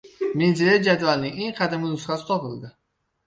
Mendeleyev jadvalining eng qadimgi nusxasi topildi.